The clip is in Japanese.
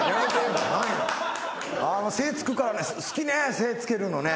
精つくから好きね精つけるのね